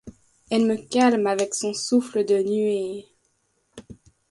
Elle me calme avec son souffle de nuée.